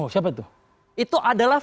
siapa tuh itu adalah